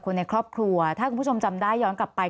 ในครอบครัวถ้าคุณผู้ชมจำได้ย้อนกลับไป